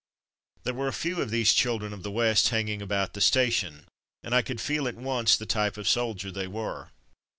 There were a few of these children of the West hanging about the station, and I could feel at once the type of soldier they were.